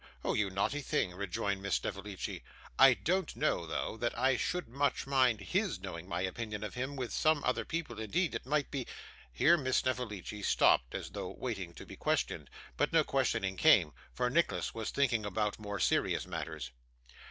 'Oh you naughty thing!' rejoined Miss Snevellicci. 'I don't know though, that I should much mind HIS knowing my opinion of him; with some other people, indeed, it might be ' Here Miss Snevellicci stopped, as though waiting to be questioned, but no questioning came, for Nicholas was thinking about more serious matters.